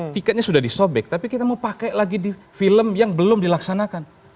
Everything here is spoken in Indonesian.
tiketnya sudah disobek tapi kita mau pakai lagi di film yang belum dilaksanakan